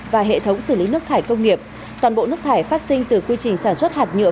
và hệ thống xử lý nước thải công nghiệp toàn bộ nước thải phát sinh từ quy trình sản xuất hạt nhựa